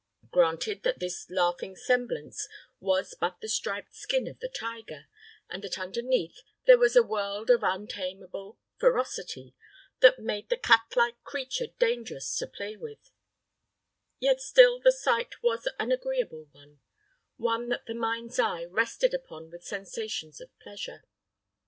Granted that this laughing semblance was but the striped skin of the tiger, and that underneath there was a world of untamable ferocity, which made the cat like creature dangerous to play with; yet still the sight was an agreeable one, one that the mind's eye rested upon with sensations of pleasure.